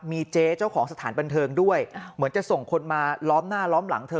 มีเจ๊เจ้าของสถานบันเทิงด้วยเหมือนจะส่งคนมาล้อมหน้าล้อมหลังเธอ